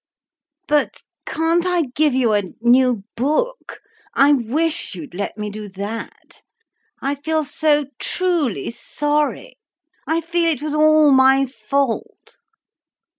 "But can't I give you a new book? I wish you'd let me do that. I feel so truly sorry. I feel it was all my fault."